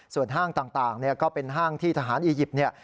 ส่วนห้างต่างก็เป็นห้างที่ทหารอียิปต์เนี่ย